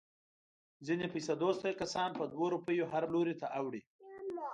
ځنې پیسه دوسته کسان په دوه روپیو هر لوري ته اوړي.